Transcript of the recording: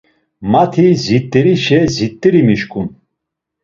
Mati zit̆erişe zit̆eri mişǩun.